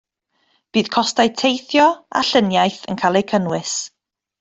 Bydd costau teithio a lluniaeth yn cael eu cynnwys